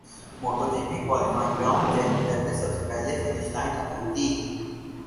motto G P qualifying round Jack Miller نے سب سے پہلے فنش لائن عبور کی